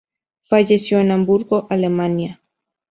Falleció en Hamburgo, Alemania.